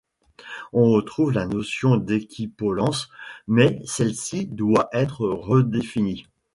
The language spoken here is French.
On retrouve la notion d'équipollence, mais celle-ci doit être redéfinie.